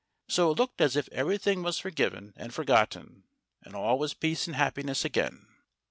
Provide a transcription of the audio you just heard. So it looked as if everything was forgiven and forgotten, and all was peace and happiness again.